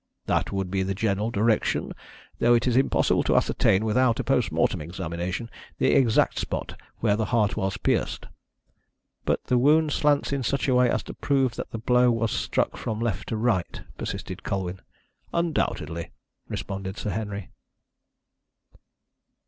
"That would be the general direction, though it is impossible to ascertain, without a postmortem examination, the exact spot where the heart was pierced." "But the wound slants in such a way as to prove that the blow was struck from left to right?" persisted Colwyn. "Undoubtedly," responded Sir Henry.